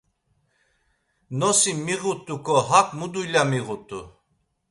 Nosi miğut̆uǩo hak mu dulya miğut̆u.